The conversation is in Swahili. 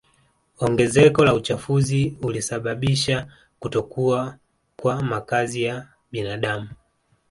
Ongezeko la uchafuzi ulisababisha kutokuwa kwa makazi ya binadamu